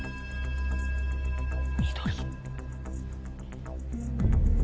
緑。